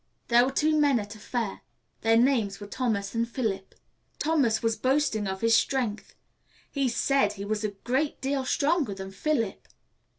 "There were two men at a fair. Their names were Thomas and Philip. "Thomas was boasting of his strength. He said he was a great deal stronger than Philip.